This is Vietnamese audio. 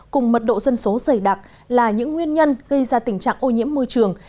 cùng mật độ dân số dày đặc là những nguyên nhân gây ra tình trạng ô nhiễm môi trường